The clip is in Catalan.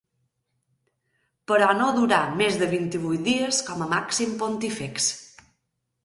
Però no durà més de vint-i-vuit dies com a màxim pontífex.